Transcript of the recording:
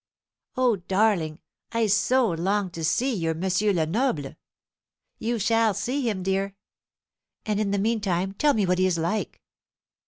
O darling, I so long to see your M. Lenoble!" "You shall see him, dear." "And in the meantime tell me what he is like."